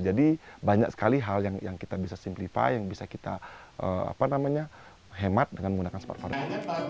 jadi banyak sekali hal yang kita bisa simplify yang bisa kita hemat dengan menggunakan smart farming